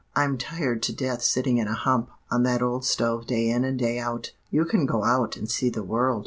'I'm tired to death sitting in a hump on that old stove day in and day out. You can go out and see the world.